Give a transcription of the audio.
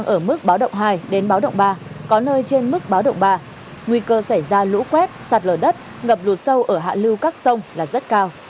ở mức báo động hai đến báo động ba có nơi trên mức báo động ba nguy cơ xảy ra lũ quét sạt lở đất ngập lụt sâu ở hạ lưu các sông là rất cao